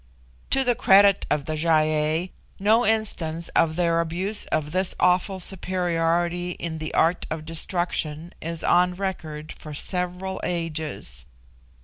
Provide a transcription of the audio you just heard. To the credit of the Gy ei no instance of their abuse of this awful superiority in the art of destruction is on record for several ages.